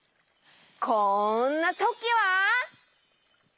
こんなときは！